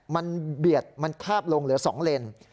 มันเบียดมันคาบลงเหลือ๒เลน